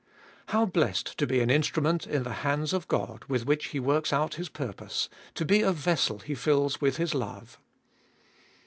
2. How blessed to be an instrument in the hands of God, with which He works out His purpose; to be a vessel He fills with His love.